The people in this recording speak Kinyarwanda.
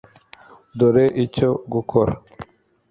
dore icyo gukora